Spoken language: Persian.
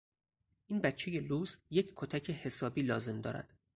این بچهی لوس یک کتک حسابی لازم دارد.